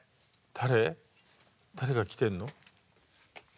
誰が来てるの？